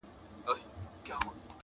دوهم زوى سو را دمخه ويل پلاره -